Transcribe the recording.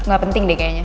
gak penting deh kayaknya